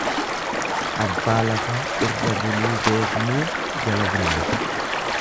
Abbaa lafaa irra buluu beeknuu jala bulle.